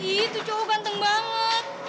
ih itu cowok ganteng banget